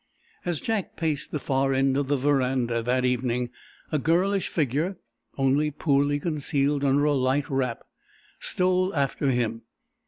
As Jack paced the far end of the veranda that evening a girlish figure, only poorly concealed under a light wrap, stole after him.